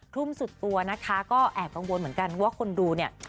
ทุ่มสุดตัวนะคะก็แอบกังวลเหมือนกันว่าคนดูเนี่ย